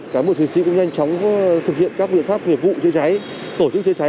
cán bộ chiến sĩ cũng nhanh chóng thực hiện các biện pháp nghiệp vụ chữa cháy tổ chức chữa cháy